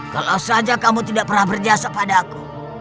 kalau saja kamu tidak pernah berjasa pada aku